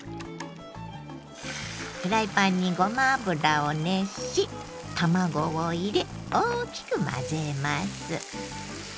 フライパンにごま油を熱し卵を入れ大きく混ぜます。